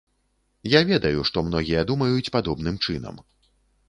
Я ведаю, што многія думаюць падобным чынам.